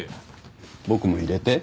僕も入れて。